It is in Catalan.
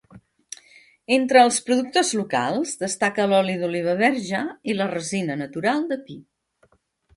Entre els productes locals destaca l'oli d'oliva verge i la resina natural de pi.